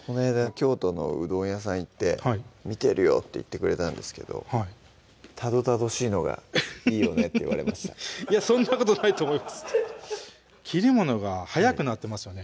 京都のうどん屋さん行って「見てるよ」って言ってくれたんですけど「たどたどしいのがいいよね」って言われましたいやそんなことないと思います切り物が速くなってますよね